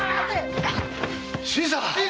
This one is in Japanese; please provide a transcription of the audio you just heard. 新さん！